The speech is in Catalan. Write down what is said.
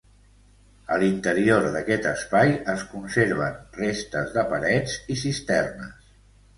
A l'interior d'aquest espai es conserven restes de parets i cisternes.